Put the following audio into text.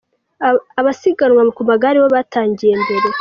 Abasiganwa ku magare bo batangiye mbere.